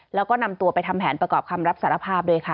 แล้วก็นำตัวไปทำแผนประกอบคำรับสารภาพด้วยค่ะ